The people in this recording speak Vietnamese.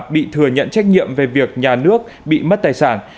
bị thừa nhận trách nhiệm về việc nhà nước bị mất tài sản